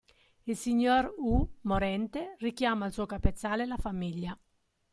Il signor Hu morente richiama al suo capezzale la famiglia.